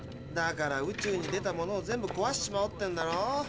だから宇宙に出たものを全部こわしちまおうってんだろ。